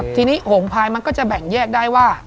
ทีนี้โหงพายมันก็จะแบ่งแยกได้ว่า